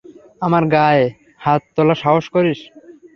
আমার গাঁ-য়ে হাত তোলার সাহস করিস?